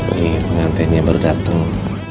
ini pengantinnya baru datang